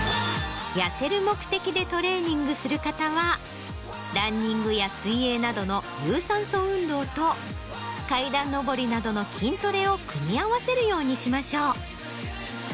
痩せる目的でトレーニングする方はランニングや水泳などの有酸素運動と階段上りなどの筋トレを組み合わせるようにしましょう。